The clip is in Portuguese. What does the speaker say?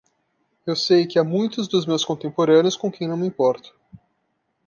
Eu sei que há muitos dos meus contemporâneos com quem não me importo.